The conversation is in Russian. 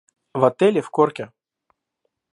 В отеле в Корке.